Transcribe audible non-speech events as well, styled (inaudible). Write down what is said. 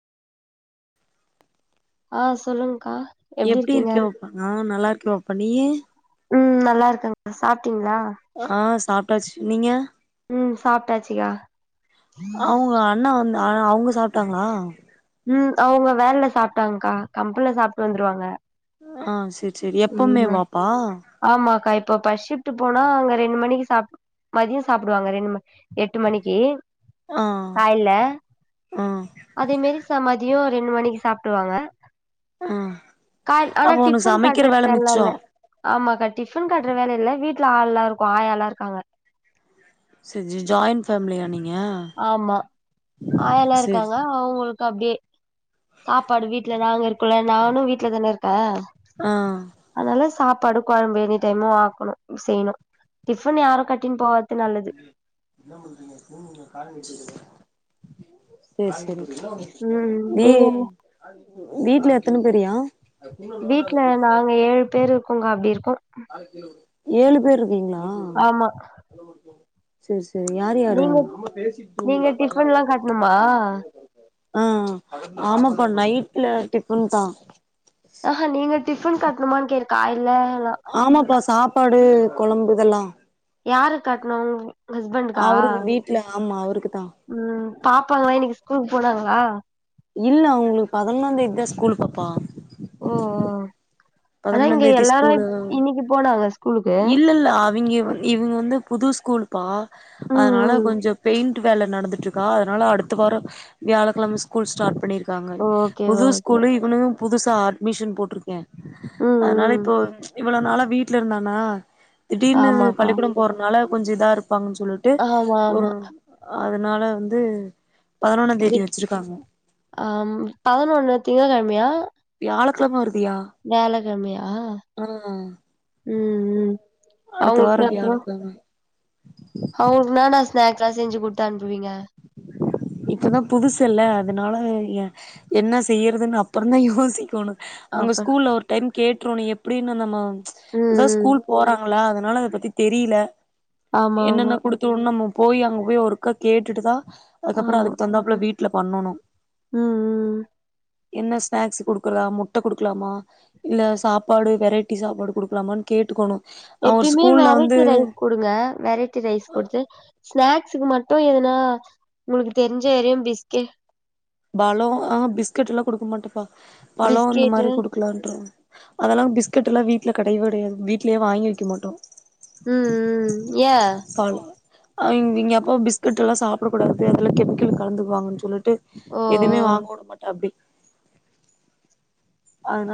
ஆ சொல்லுங் எப்டி இருக்க பாப்பா ஆ நல்லா இருக்கே பாப் பா நீயு ம் நல்லா இருக்கங் சாப் டிங்ளா டாச்சு நீங்க உம் சாப்டாச்சுயா அவுங்க (unintelligible) அவுங்க சாப்டாங்களா ம் அவுங்க வேல்ல சாப்டாங்க்கா கம்பன்ல சாப்ட்டு வந்துருவாங்க ஆஹ் செ செரி ம் எப்பவுமேவாப்பா ஆமாக்கா இப்போ பஸ் ஷிஃப்ட்டு போனா அங்க ரெண்டு மணிக்கி சாப் மதியொ சாப்டுவாங்க ரெண்டு ம எட்டு மணிக்கி ஆ காய்ல ஆ அதே மாரி ச மதியோ ரெண்டு மணிக்கி சாப்டுவாங்க ஆஹ் அப்ப ஒனக்கு சமக்கிற ல்ல இல்ல ஆமாக்கா டிஃபன் கட்ற வேல இல்ல வீட் ட்ல ஆள்லா இருக்கு ஆயால்லா இருக்காங்க ச ஜி ஜாயிண்ட் ஃபேமிலியா நீ ஆமா ஆயால்லா சேரி இருக்காங்கலா அவுங்களுக் க அப்டியே சாப்பாடு வீட்ல நாங்க இருக்கோல்ல நானு வீட்ல தான இருக்க ஆ அதனால சாப் பாடு கொழம்பு எனி டைமு ஆக்கணு செய்ணு டிஃபன் யாரு கட்டின் போவா என்ன பண்றீங்க (inaudible) சேர் சேரி ம் வி நீங்க வீட்ல எத்தன பேர்யா வீட்ல நாங்க ஏழு பேர் இருக்கோங்க்கா அப்டி இருக்கோ (inaudible) ஏழு பேர் இருக்கீங்களா ஆமா சேர் செரி யார் யாரு நீங்க நீங்க டிஃபன்லா கட்ணுமா (unintelligible) ஆ ஆமாப்பா நைட்ல டிஃபன் தா ஆ ஹா நீங்க டிஃபன் கட்ணுமானு கே (unintelligible) ப்பாடு கொழம்பு இதெல்லா யாருக் கட்ணு ஹஸ்பண்டுக்கா அவருக்கு வீட்ல ஆமா அவருக்குதா ம் பாப்பாலா இன்னகி ஸ்கூலுக் போனாங் லா இல்ல அவங்களுக் பதினொன் தேதி தா ஸ்கூல் பாப்பா (inaudible) ஓ ஓ ஆனா இங்க தேதி எல்லாரு ஸ்கூலு இன்னிக்கு போனாங்க ஸ்கூலுக்கு இல்ல இல்ல அவிங்க வந் இவங்க வந்து புது ஸ்கூல்பா ம் அதுனால ம் கொஞ்சொ பெயிண் ட்டு வேல நடந்துட்ருக்கா அதுனால அடுத்த வார வியாழக்கழம ஸ்கூல் ஸ்டார்ட் பண்ணி காங்க ஓகே புது ஓகே ஸ்கூலு இவனு புதுசா ஆட் அட்மிஷன் போட்ருகே ம் அதுனால ம் இப்போ இவ்ள நாளா வீட்லருந்தானா திடீர்னு ஆமாக்கா பள்ளிக்கூட போறனால கொஞ்ச இதாருக்கு ப்பாங் சொல்லிட்டு ஆமா ம் ஆமா அதனால வந்து பதினொன்னாந் தேதி விட் வச்சிருக்காங்க ஆம் பதினொன்னு திங்க கெழமயா வியாழ கெழம வரு வேல கம்மியா ம் ம் அடுத்த வாரோ அவங்களுக்கு (unintelligible) வியாழக்கிழம (unintelligible) ஸ்நக்ஸ்லா செஞ்சு குடுத்து அனுப்புவீங்க இப்பதா புதுசு இல்ல அதனால எ என்ன செய்யறதுன்னு அப்பற தா யோசிக்கணு அங்க அப்ப ஸ்கூல ஒரு டைம் கேட் விற்றோன்னு எப்டினு நம ம், அதா ம். ஸ்கூல் போறாங்களா அத அனால அத பத்தி தெரில ஆமா, ஆமா, என்னென்ன குடுத்தோ நம்ம போய் அங்க போயி ஒர்க்க கேட்டுட்டுதா அதுக்கப்பறம் ஆமா. அதுக்கு தகுந்தாப்புல வீ இல்ல பண்ணணு ம் உம் என்ன ஸ்நாக்ஸ் கொடுக்குற முட்டை கொடுக்கலாமா இல்ல சாப்பாடு வெரைடி சாப்பாடு கொடுக்கலாமான்னு கேட்டுக்கணு எப்பிமே வெரைடி ரைஸ் கொடுங்க வெரைட்டி ரைஸ் கொடுத்து ஸ்நாக் க்கு மட்டு எதுனா உங்களுக்கு தெரிஞ்ச வரயு பிஸ்க பழம் ஆ பிஸ்கட் எல்லா கொடுக்க மாட்டேப்பா பழ இந்த பிஸ்கெட்டு மாரி குடுக்கலான்ற அதெல்லா பிஸ்கெட் எல்லா வீட்டுல கெடயவே கெடையாது வீட்லயே வாங்கி வக்க மாட்டோ உம் உம் ஏ ஆங் இவிங்கப்ப பிஸ்கட் எல்லா சாப்பிட கூடாது அதுல கெமிக்கல் கலந்துக்குவாங்கன்னு சொல்லிட்டு ஓ! எதுமே ஓ! வாங்க உடமாட்டாப்டி ஆ ஹ